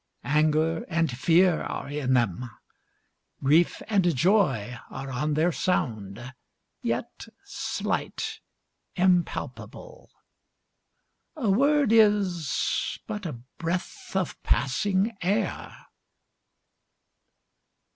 Anger and fear are in them; grief and joy Are on their sound; yet slight, impalpable: A word is but a breath of passing air.